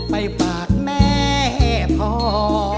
ไปบาดแม่พร